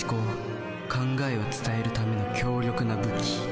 考えを伝えるための強力な武器。